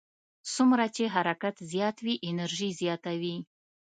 څومره چې حرکت زیات وي انرژي زیاته وي.